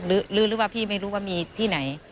หรือว่าพี่ไม่รู้ว่ามีที่ไหน